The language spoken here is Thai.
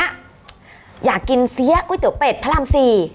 อยากกินเสี้ยก๋วยเต๋วเป็ดพระรำศรี